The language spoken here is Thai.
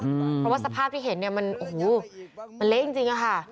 เพราะว่าสภาพที่เห็นเนี่ยมันโอ้โหมันเละจริงจริงอะค่ะ